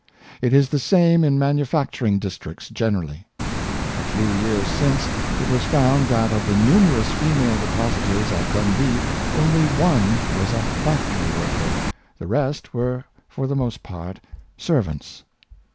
It is the same in manufacturing districts generally. A few years since, it was found that of the numerous female depositors at Dundee only one was a factory worker; the rest were for the most part servants.